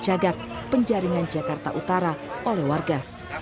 jagak penjaringan jakarta utara oleh warga